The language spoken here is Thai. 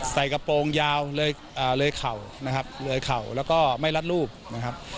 กระโปรงยาวเลยเข่านะครับเลยเข่าแล้วก็ไม่รัดรูปนะครับ